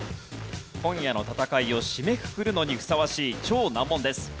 今夜の戦いを締めくくるのにふさわしい超難問です。